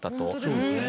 そうですね。